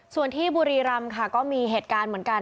ส่วนที่บุรีรำค่ะก็มีเหตุการณ์เหมือนกัน